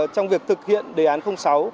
trong việc thực hiện đề án sáu